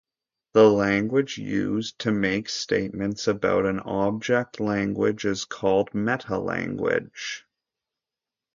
The language used to make statements about an object language is called a "metalanguage".